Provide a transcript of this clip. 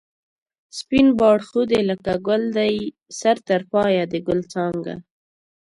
سپین باړخو دی لکه گل دی سر تر پایه د گل څانگه